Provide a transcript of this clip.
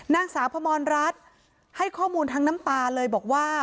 นางสาวพมรรัฐให้ข้อมูลทั้งน้ำตาเลยบอกว่า